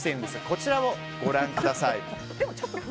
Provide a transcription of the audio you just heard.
こちらをご覧ください。